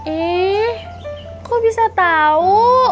eh kok bisa tahu